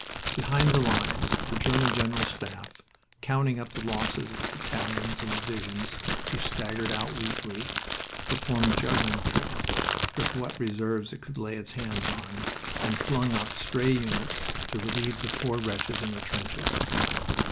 Behind the lines the German General Staff, counting up the losses of battalions and divisions who staggered out weakly, performed juggling tricks with what reserves it could lay its hands on, and flung up stray units to relieve the poor wretches in the trenches.